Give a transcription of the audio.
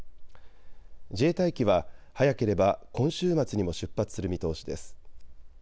自衛隊機は早ければ今週末にも出発する見通しです。